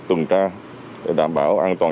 tuần tra để đảm bảo an toàn